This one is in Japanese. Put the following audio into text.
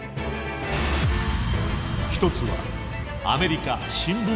一つはアメリカ新聞王のデマ。